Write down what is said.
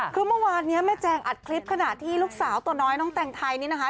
คือเมื่อวานนี้แม่แจงอัดคลิปขณะที่ลูกสาวตัวน้อยน้องแต่งไทยนี่นะคะ